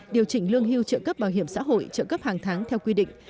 điều chỉnh lương hưu trợ cấp bảo hiểm xã hội trợ cấp hàng tháng theo quy định